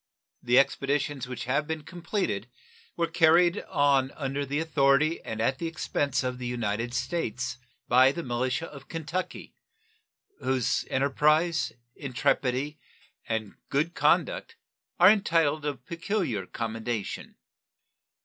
The expeditions which have been completed were carried on under the authority and at the expense of the United States by the militia of Kentucky, whose enterprise, intrepidity, and good conduct are entitled of peculiar commendation.